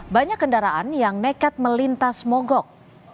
banyak kendaraan yang nekat melintas mogok